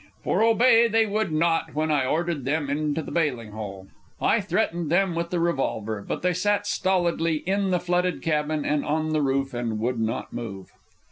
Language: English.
For obey they would not when I ordered them into the bailing hole. I threatened them with the revolver, but they sat stolidly in the flooded cabin and on the roof and would not move.